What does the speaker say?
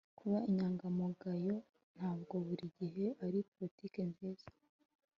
Kuba inyangamugayo ntabwo buri gihe ari politiki nziza